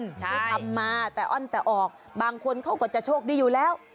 ที่ทำมาแต่อ้อนแต่ออกบางคนเขาก็จะโชคดีอยู่แล้ว